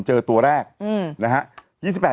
เจอตัวแรกนะฮะ